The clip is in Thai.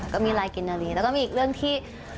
ก็มีไลน์กินนารีแล้วก็มีอีกเรื่องที่